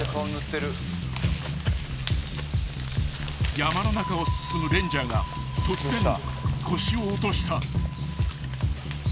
［山の中を進むレンジャーが突然腰を落とした］